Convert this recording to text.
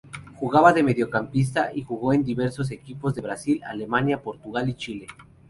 Jugaba de mediocampista y jugó en diversos equipos de Brasil, Alemania, Portugal y Chile.